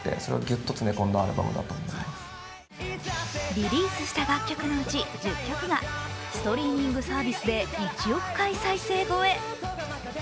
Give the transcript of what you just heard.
リリースした楽曲のうち１０曲がストリーミングサービスで１億回再生超え。